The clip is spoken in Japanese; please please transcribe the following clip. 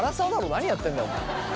何やってんだよお前。